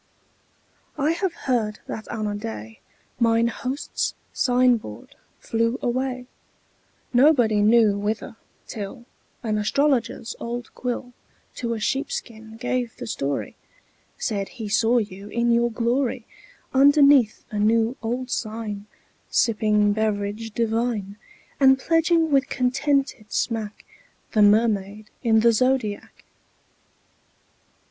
I have heard that on a day Mine host's sign board flew away, Nobody knew whither, till An astrologer's old quill To a sheepskin gave the story, Said he saw you in your glory, Underneath a new old sign Sipping beverage divine, 20 And pledging with contented smack The Mermaid in the Zodiac.